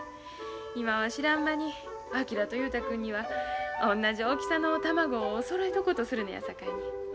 今は知らん間に昭と雄太君には同じ大きさの卵そろえとことするねやさかいに。